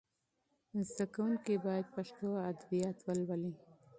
زده کونکي باید پښتو ادبیات ولولي.